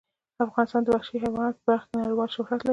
افغانستان د وحشي حیواناتو په برخه کې نړیوال شهرت لري.